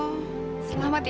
oh selamat ya